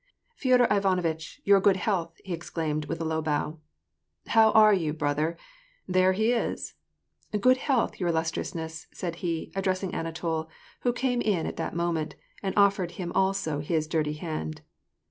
" Feodor Ivanovitch, your good health," he exclaimed, with a low bow. " How are you, brother !— There he is I " "Good health, your illustriousness," said he, addressing Anatol, who came in at that moment, and offered him also his dirty hand.